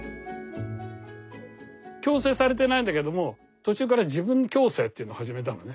強制されてないんだけども途中から自分強制っていうのを始めたのね。